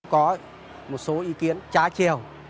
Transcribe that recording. có một số ý kiến trá treo